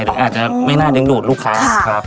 หรืออาจจะไม่น่าดึงดูดลูกค้า